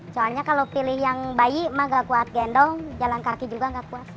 soalnya kalau pilih yang bayi emak enggak kuat gendong jalan kaki juga enggak kuat